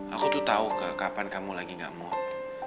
aku tuh tau kak kapan kamu lagi gamut